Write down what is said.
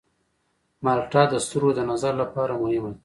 مالټه د سترګو د نظر لپاره مهمه ده.